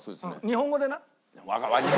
日本語で。